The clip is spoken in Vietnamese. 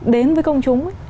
đến với công chúng ấy